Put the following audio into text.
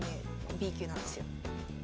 Ｂ級なんですよ。